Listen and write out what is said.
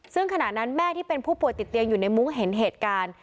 ซึ่งขณะนั้นแม่ที่เป็นผู้ป่วยติดเตียงอยู่ในมุ้งเห็นเหตุการณ์